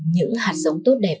những hạt giống tốt đẹp